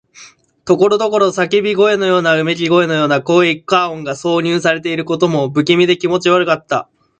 ところどころ叫び声のような、うめき声のような効果音が挿入されていることも、不気味で気持ち悪かった。